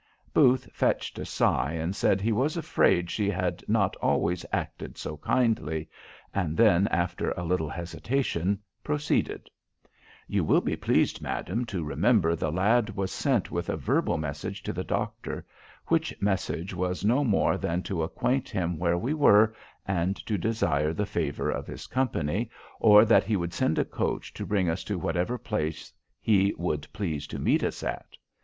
Booth fetched a sigh, and said he was afraid she had not always acted so kindly; and then, after a little hesitation, proceeded: "You will be pleased, madam, to remember the lad was sent with a verbal message to the doctor: which message was no more than to acquaint him where we were, and to desire the favour of his company, or that he would send a coach to bring us to whatever place he would please to meet us at.